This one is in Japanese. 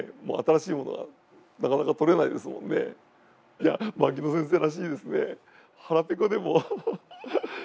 いや牧野先生らしいですね。